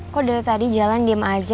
kok dari tadi jalan diem aja